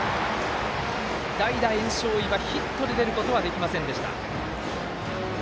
代打、焔硝岩、ヒットで出ることはできませんでした。